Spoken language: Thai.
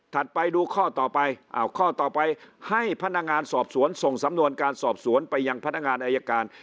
ไปดูข้อต่อไปข้อต่อไปให้พนักงานสอบสวนส่งสำนวนการสอบสวนไปยังพนักงานอายการ